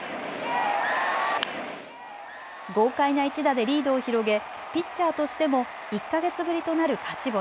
豪快な一打でリードを広げピッチャーとしても１か月ぶりとなる勝ち星。